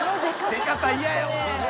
出方嫌やわ。